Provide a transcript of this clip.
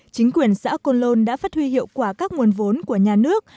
chính quyền xã côn lôn đã phát huy hiệu quả các nguồn vốn của nhà nước